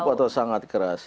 cukup atau sangat keras